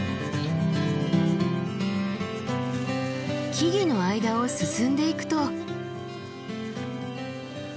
木々の間を進んでいくと。